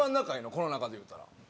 この中でいうたら。